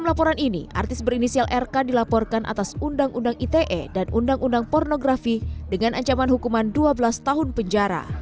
laporan ini artis berinisial rk dilaporkan atas undang undang ite dan undang undang pornografi dengan ancaman hukuman dua belas tahun penjara